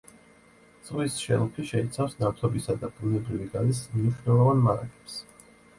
ზღვის შელფი შეიცავს ნავთობისა და ბუნებრივი გაზის მნიშვნელოვან მარაგებს.